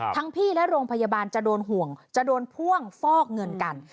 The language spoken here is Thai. พี่และโรงพยาบาลจะโดนห่วงจะโดนพ่วงฟอกเงินกัน